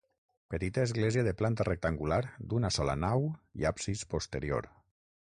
Petita església de planta rectangular, d'una sola nau i absis posterior.